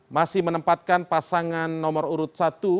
masih menempatkan pasangan nomor urut satu